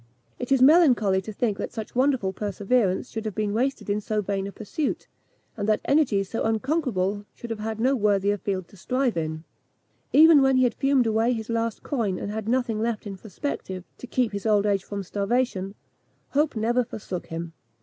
It is melancholy to think that such wonderful perseverance should have been wasted in so vain a pursuit, and that energies so unconquerable should have had no worthier field to strive in. Even when he had fumed away his last coin, and had nothing left in prospective to keep his old age from starvation, hope never forsook him.